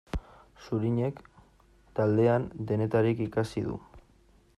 Zurinek taldean denetarik ikasi du.